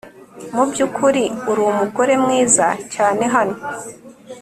Mubyukuri uri umugore mwiza cyane hano